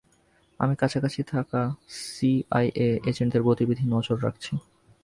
আমি কাছাকাছি থাকা সিআইএ এজেন্টদের গতিবিধি নজর রাখছি।